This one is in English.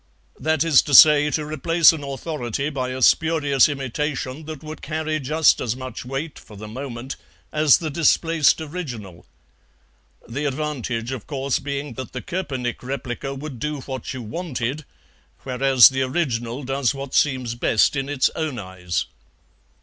That is to say, to replace an authority by a spurious imitation that would carry just as much weight for the moment as the displaced original; the advantage, of course, being that the koepenick replica would do what you wanted, whereas the original does what seems best in its own eyes."